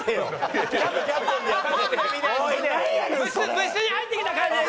部室に入ってきた感じで。